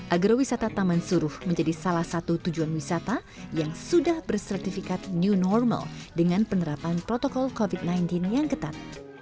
agrowisata taman suruh menjadi salah satu tujuan wisata yang sudah bersertifikat new normal dengan penerapan protokol covid sembilan belas yang ketat